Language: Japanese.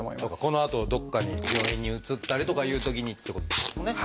このあとどこかに病院に移ったりとかいうときにっていうことですもんね。